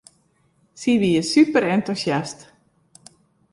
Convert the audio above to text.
Sy wie superentûsjast.